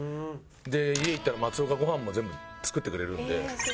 家行ったら松尾がご飯も全部作ってくれるんで。